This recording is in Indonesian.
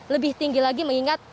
lebih tinggi lagi mengingat